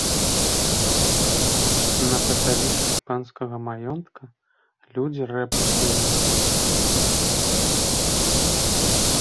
На папялішчы панскага маёнтка людзі рэпу сеялі.